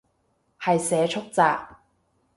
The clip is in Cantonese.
係社畜咋